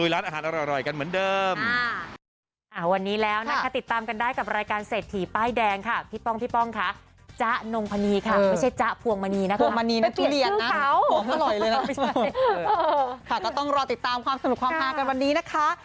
เรียกว่าปลูยร้านอาหารอร่อยกันเหมือนเดิม